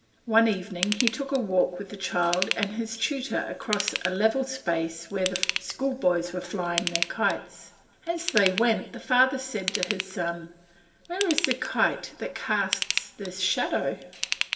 One evening he took a walk with the child and his tutor across a level space where the schoolboys were flying their kites. As they went, the father said to his son, "Where is the kite that casts this shadow?"